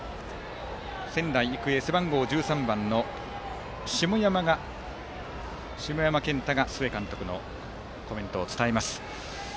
仙台育英、背番号１３番の下山健太が須江監督のコメントを伝えます。